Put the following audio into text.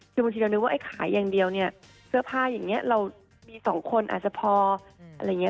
คือบางทีเรานึกว่าไอ้ขายอย่างเดียวเนี่ยเสื้อผ้าอย่างนี้เรามีสองคนอาจจะพออะไรอย่างนี้